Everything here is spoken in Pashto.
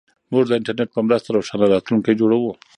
موږ د انټرنیټ په مرسته روښانه راتلونکی جوړوو.